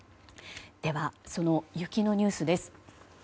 では、その雪のニュースです。